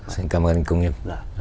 xin cảm ơn anh công nghiệp